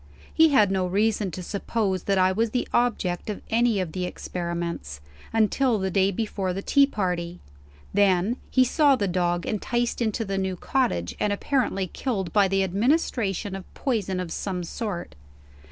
He had no reason to suppose that I was the object of any of the experiments, until the day before the tea party. Then, he saw the dog enticed into the new cottage, and apparently killed by the administration of poison of some sort.